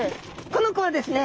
この子はですね